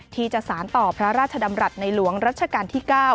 ที่จะสารต่อพระราชดำรัฐในหลวงรัชกาลที่๙